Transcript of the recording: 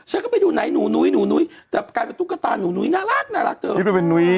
ให้ไอ้ปูไปแล้ว